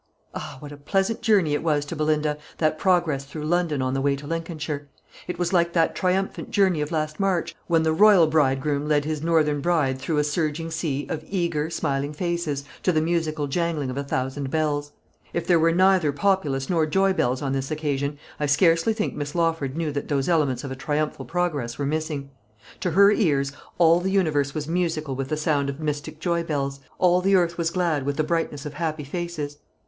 Ah! what a pleasant journey it was to Belinda, that progress through London on the way to Lincolnshire! It was like that triumphant journey of last March, when the Royal bridegroom led his Northern bride through a surging sea of eager, smiling faces, to the musical jangling of a thousand bells. If there were neither populace nor joy bells on this occasion, I scarcely think Miss Lawford knew that those elements of a triumphal progress were missing. To her ears all the universe was musical with the sound of mystic joy bells; all the earth was glad with the brightness of happy faces.